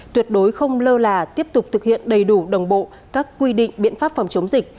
tuyệt đối không lơ là tiếp tục thực hiện đầy đủ đồng bộ các quy định biện pháp phòng chống dịch